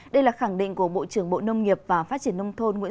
đây là khẳng định của bộ trưởng bộ nông nghiệp và phát triển nông thôn